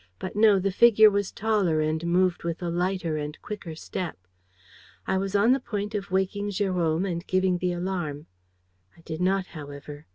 But no, the figure was taller and moved with a lighter and quicker step. "I was on the point of waking Jérôme and giving the alarm. I did not, however.